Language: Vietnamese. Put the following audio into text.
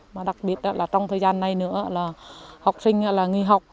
mà đặc biệt là trong thời gian này nữa là học sinh là nghỉ học